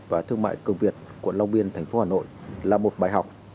và thương mại công việt quận long biên thành phố hà nội là một bài học